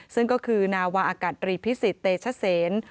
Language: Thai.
ซึ่งก็คือนาวาอากาศรีพิสิทธิเตชเซน